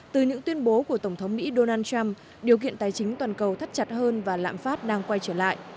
từ những tuyên bố của tổng thống mỹ donald trump điều kiện tài chính toàn cầu thắt chặt hơn và lạm phát đang quay trở lại